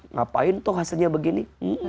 ngapain tuh hasilnya begini